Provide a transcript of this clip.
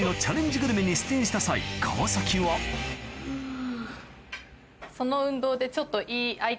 グルメに出演した際川崎はえっ！